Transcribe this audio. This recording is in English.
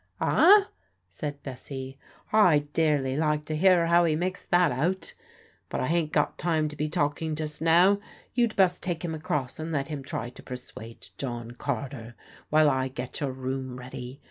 "Aw?" said Bessie. "I'd dearly like to hear how he makes that out. But I han't got time to be talking just now. You'd best take him across and let him try to persuade John Carter, while I get your room ready.